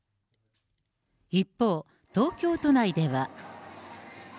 一方、東京都内では。